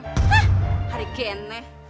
hah hari kene